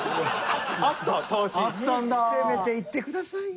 せめていってくださいよ。